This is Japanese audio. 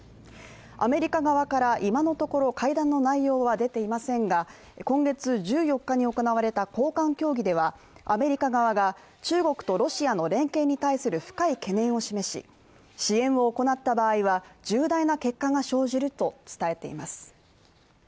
アメリカ側から今のところ、会談の内容は出ていませんが今月１４日に行われた高官協議ではアメリカ側が中国とロシアの連携に対する深い懸念を示し支援を行った場合は、重大な結果が生じると伝えています。